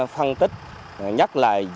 phân tích nhắc lại